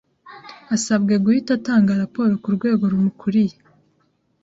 asabwe guhita atanga raporo ku rwego rumukuriye